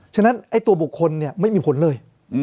ฉะนั้นตัวบลคลไม่มีผลเลย